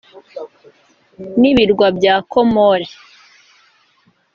n’Ibirwa bya Komore